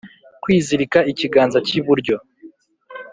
kwizirika ikiganza cy’iburyo.